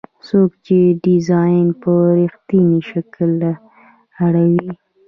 څوک چې ډیزاین په رښتیني شکل اړوي.